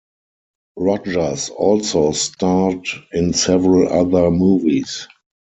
Rogers also starred in several other movies.